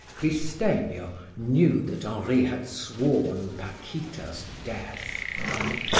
Cristemio knew that Henri had sworn Paquita's death.